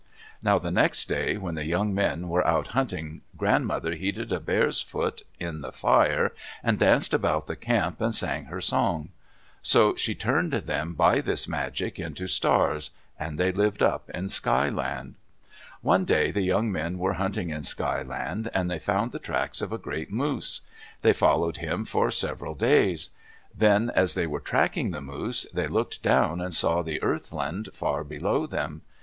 Now the next day, when the young men were out hunting, grandmother heated a bear's foot in the fire, and danced about the camp and sang her song. So she turned them by this magic into stars, and they lived up in Sky Land. One day the young men were hunting in Sky Land, and they found the tracks of a great moose. They followed him for several days. Then as they were tracking the moose, they looked down and saw the Earth Land far below them.